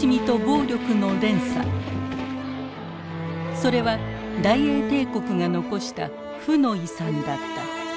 それは大英帝国が残した負の遺産だった。